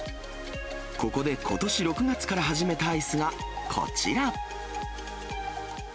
ここでことし６月から始めたアイスがこちら。